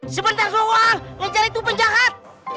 sebentar doang ngejar itu penjahat